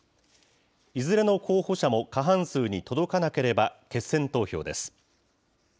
いずれの候補者も過半数に届かなければ、決選投票です。